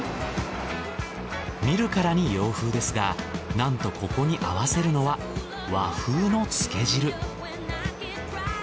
見るからに洋風ですがなんとここに合わせるのは和風のつけ汁。